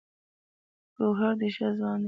ګوهر ډې ښۀ ځوان دی